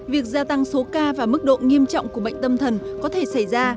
việc gia tăng số ca và mức độ nghiêm trọng của bệnh tâm thần có thể xảy ra